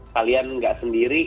kalian tidak sendiri